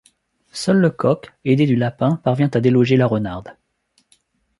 Seul le coq, aidé du lapin parvient à déloger la renarde.